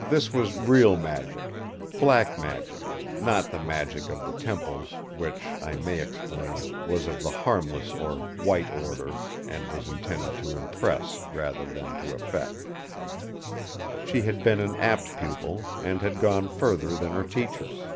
This was real magic—"black" magic; not the magic of the temples, which, I may explain, was of the harmless or "white" order, and was intended to impress rather than to effect. She had been an apt pupil; and had gone further than her teachers.